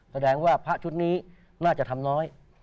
แสดงว่าพระชุดนี้น่าจะทำน้อย